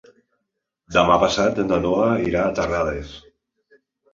Demà passat na Noa irà a Terrades.